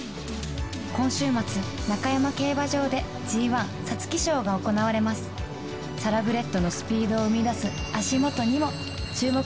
今週末中山競馬場でＧⅠ「皐月賞」が行われますサラブレッドのスピードを生み出す脚元にも注目してみてはいかがでしょうか